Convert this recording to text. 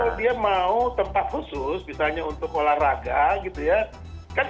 kalau dia mau tempat khusus misalnya untuk olahraga gitu ya